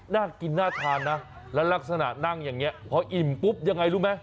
น่ากินน่าทานนะแล้วลักษณะนั่งอย่างนี้พออิ่มปุ๊บยังไงรู้ไหม